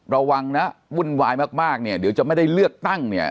ระวังนะวุ่นวายมากหรือจะไม่ได้เลือกตั้ง